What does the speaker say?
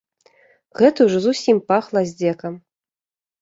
Гэта ўжо зусім пахла здзекам.